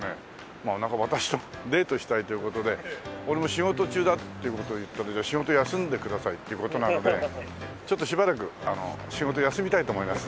まあなんか私とデートしたいという事で俺も仕事中だっていう事を言ったけど仕事休んでくださいっていう事なのでちょっとしばらく仕事休みたいと思います。